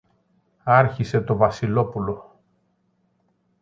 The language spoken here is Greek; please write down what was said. άρχισε το Βασιλόπουλο.